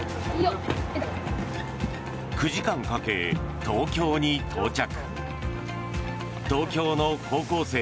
９時間かけ、東京に到着。